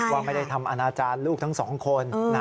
ว่าไม่ได้ทำอนาจารย์ลูกทั้งสองคน